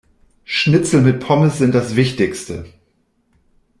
Schnitzel mit Pommes sind das Wichtigste.